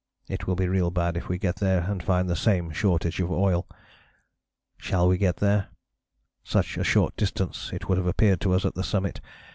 It will be real bad if we get there and find the same shortage of oil. Shall we get there? Such a short distance it would have appeared to us on the summit!